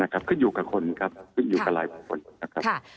คืออยู่กับคนครับอยู่กับหลายคนนะครับ